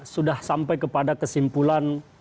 sudah sampai kepada kesimpulan